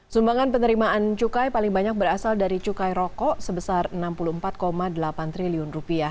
sumbangan penerimaan cukai paling banyak berasal dari cukai rokok sebesar rp enam puluh empat delapan triliun